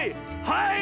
はい！